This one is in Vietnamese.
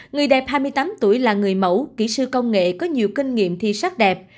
người đẹp hai mươi tám tuổi là người mẫu kỹ sư công nghệ có nhiều kinh nghiệm thi sắc đẹp